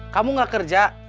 kamu nggak kerja